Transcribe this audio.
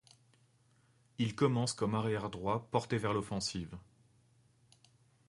Il commence comme arrière droit porté vers l'offensive.